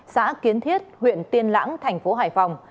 xã kiến thiết huyện tiên lãng thành phố hải phòng